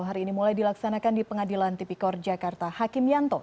hari ini mulai dilaksanakan di pengadilan tipikor jakarta hakim yanto